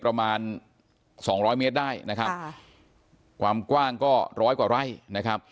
ประมาณสองร้อยเมตรได้นะครับค่ะความกว้างก็ร้อยกว่าไร่นะครับ